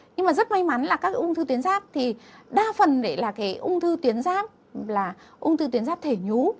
nhưng mà rất may mắn là các cái ung thư tuyến giáp thì đa phần đấy là cái ung thư tuyến giáp là ung thư tuyến giáp thể nhú